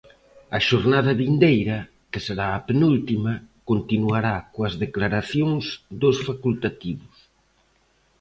A xornada vindeira, que será a penúltima, continuará coas declaracións dos facultativos.